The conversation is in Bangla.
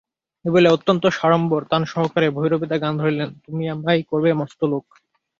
এই বলিয়া অত্যন্ত সাড়ম্বর তান-সহকারে ভৈরবীতে গান ধরিলেন– তুমি আমায় করবে মস্ত লোক!